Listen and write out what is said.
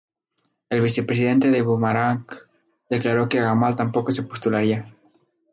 El vicepresidente de Mubarak declaró que Gamal tampoco se postularía.